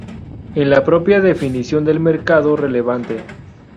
En la propia definición del mercado relevante.